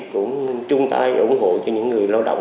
cũng chung tay ủng hộ cho những người lao động